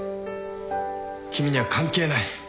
君には関係ない。